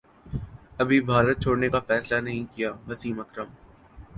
ابھی بھارت چھوڑنے کافیصلہ نہیں کیا وسیم اکرم